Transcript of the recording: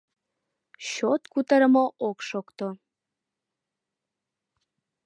Чот кутырымо ок шокто.